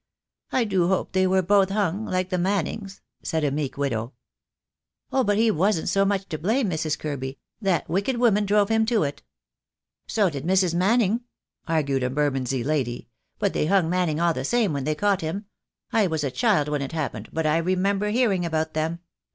"I do hope they were both hung, like the Mannings," said a meek widow. "Oh, but he wasn't so much to blame, Mrs. Kirby. That wicked woman drove him to it." "So did Mrs. Manning," argued a Bermondsey lady, "but they hung Manning all the same when they caught him. I was a child when it happened, but I remember hearing about them.